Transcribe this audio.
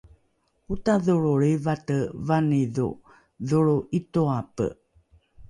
otadholro lrivate vanidho dholro ’itoaopo